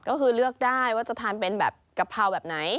ก็คือเลือกได้ว่าจะทานเป็นแบบกะเพราแบบไหน